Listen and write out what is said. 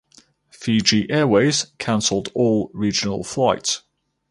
Fiji Airways cancelled all regional flights.